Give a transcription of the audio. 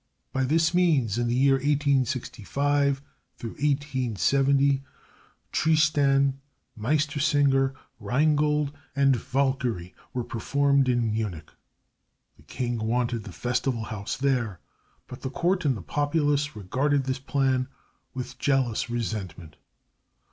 By this means, in the years 1865 1870 Tristan, Meistersinger, Rheingold, and Walküre were performed in Munich. The King wanted the festival house there, but the court and the populace regarded this plan with jealous resentment.